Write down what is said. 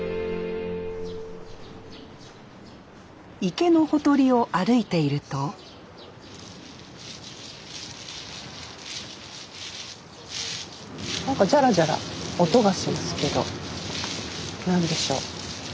池のほとりを歩いているとなんかジャラジャラ音がしますけど何でしょう。